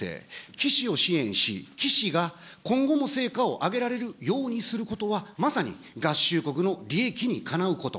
岸を支援し、岸が今後も成果を上げられるようにすることは、まさに合衆国の利益にかなうこと。